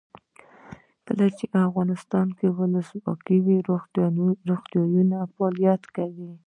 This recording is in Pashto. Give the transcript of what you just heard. کله چې افغانستان کې ولسواکي وي روغتونونه فعالیت کوي.